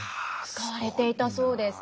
使われていたそうです。